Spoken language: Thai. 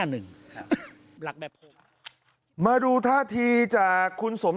ในสภาพูดแทนรัฐศาสตร์ก็คือ๒๕๑